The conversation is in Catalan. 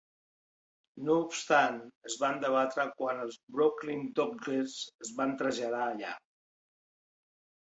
No obstant, es van debatre quan els Brooklyn Dodgers es van traslladar allà.